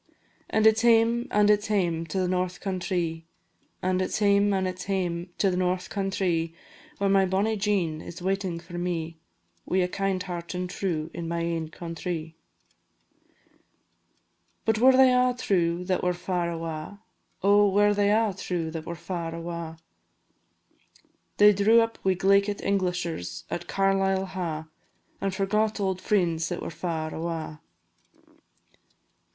An' it 's hame, an' it 's hame to the north countrie, An' it 's hame, an' it 's hame to the north countrie, Where my bonnie Jean is waiting for me, Wi' a heart kind and true, in my ain countrie. "But were they a' true that were far awa? Oh! were they a' true that were far awa'? They drew up wi' glaikit Englishers at Carlisle Ha', And forgot auld frien's that were far awa.